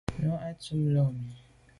Nu à tu àm la mi.